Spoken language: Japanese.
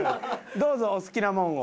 どうぞお好きなもんを。